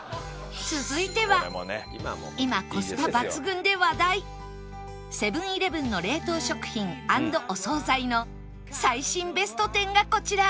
続いては今コスパ抜群で話題セブン−イレブンの冷凍食品＆お惣菜の最新ベスト１０がこちら